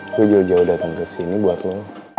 gue jauh jauh datang ke sini buat lo